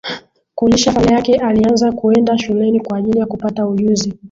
Kulisha familia yake alianza kuenda shuleni kwa ajili ya kupata ujuzi